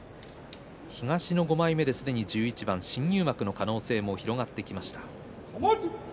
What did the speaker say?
東の５枚目ですでに１１番新入幕の可能性も広がってきました。